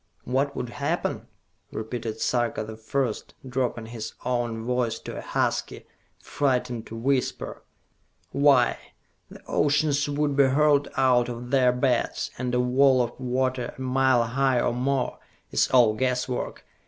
"What would happen?" repeated Sarka the First, dropping his own voice to a husky, frightened whisper. "Why, the oceans would be hurled out of their beds, and a wall of water a mile high or more it is all guesswork!